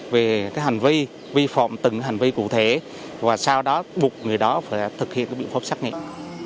về hành vi vi phạm từng hành vi cụ thể và sau đó bục người đó phải thực hiện biện pháp xét nghiệm